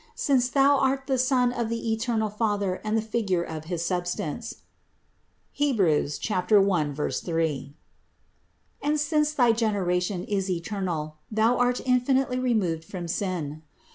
Since Thou art the Son of the eternal Father and the figure of his substance (Heb. 1, 3 ), and since thy generation is eternal, Thou art infinitely removed from sin.